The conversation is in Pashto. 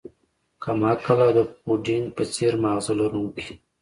کم عقل او د پوډینګ په څیر ماغزه لرونکی